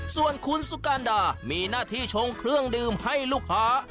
ส่วนคุณสุการดามีหน้าที่ชงเครื่องดื่มให้ลูกค้า